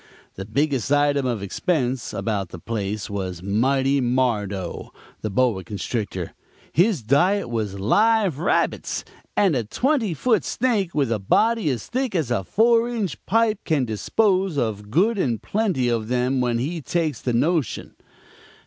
The biggest item of expense about the place was 'Mighty Mardo,' the boa constrictor; his diet was live rabbits, and a twenty foot snake with a body as thick as a four inch pipe can dispose of good and plenty of them when he takes the notion.